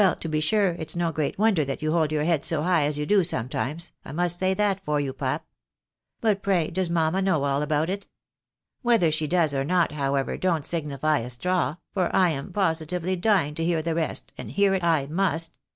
Well to be sure, it's no great wonder that you hold your head so high as you do sometimes, I must say that for you, pap. But, pray, does mamma know all about it? Whether she does or not, however, don't signify a straw, for I am positively dying to hear the rest, and hear it I must.